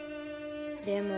でも。